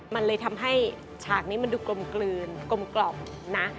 มันเลยทำให้ฉากนี้มันดูกลมกลืนกลมนะ